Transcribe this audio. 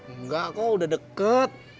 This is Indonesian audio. enggak kok udah deket